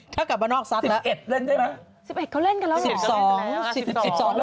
ถ้ากลับบ้านนอกซักแล้ว